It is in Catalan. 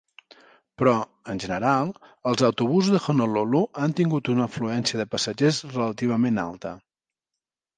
Però, en general, els autobusos de Honolulu han tingut una afluència de passatgers relativament alta.